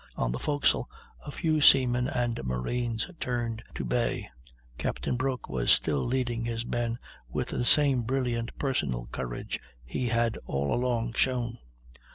On the forecastle a few seamen and marines turned to bay. Captain Broke was still leading his men with the same brilliant personal courage he had all along shown.